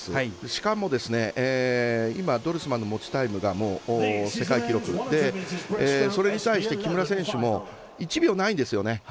しかも、今、ドルスマンの持ちタイムが世界記録でそれに対して、木村選手も１秒ないんですよね。